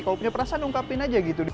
kalau punya perasaan ungkapin aja gitu